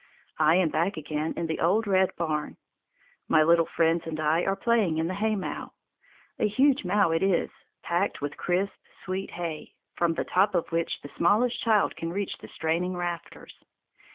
I am back again in the old red barn. My little friends and I are playing in the haymow. A huge mow it is, packed with crisp, sweet hay, from the top of which the smallest child can reach the straining rafters.